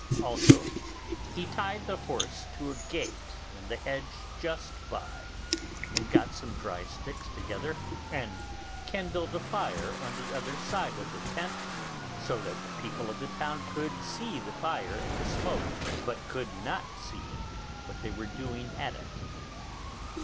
Also, he tied the horse to a gate in the hedge just by, and got some dry sticks together and kindled a fire on the other side of the tent, so that the people of the town could see the fire and the smoke, but could not see what they were doing at it.